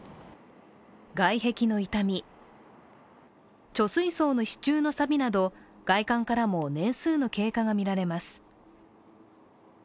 外壁の傷み、貯水槽の支柱のさびなど、外観からも年数の経過が見られます。